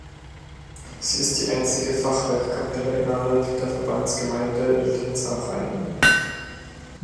Sie ist die einzige Fachwerkkapelle innerhalb der Verbandsgemeinde Linz am Rhein.